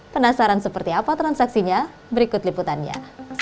penasaran seperti apa transaksinya berikut liputannya